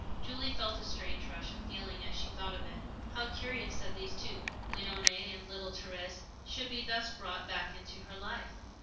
Julie felt a strange rush of feeling as she thought of it. How curious that these two Léonie and little Thérèse should be thus brought back into her life!